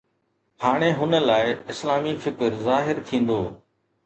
هاڻي هن لاءِ اسلامي فڪر ظاهر ٿيندو